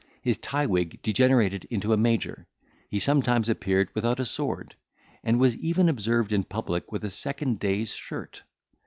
His tie wig degenerated into a major; he sometimes appeared without a sword, and was even observed in public with a second day's shirt.